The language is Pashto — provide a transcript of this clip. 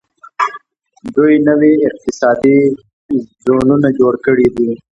دوی نوي اقتصادي زونونه جوړ کړي دي.